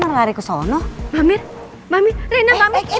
udah lari ke sana mami mami rina